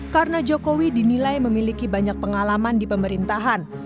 karena jokowi dinilai memiliki banyak pengalaman di pemerintahan